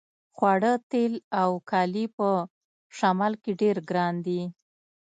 خواړه تیل او کالي په شمال کې ډیر ګران دي